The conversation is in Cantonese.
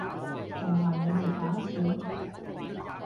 仲話人哋搞事？